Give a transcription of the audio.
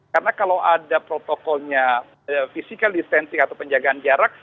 karena kalau ada protokolnya physical distancing atau penjagaan jarak